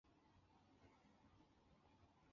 此点我们也可藉由时空图的方法来表现出。